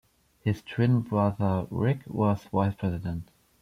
His twin brother, Rick, was vice-president.